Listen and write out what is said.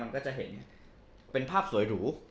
ก็จะเห็นเป็นภาพสวยหรู